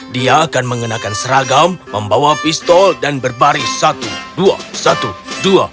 dia akan mengenakan seragam membawa pistol dan berbaris satu dua satu dua